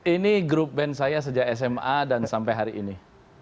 ini grup band saya sejak sma dan sampai hari ini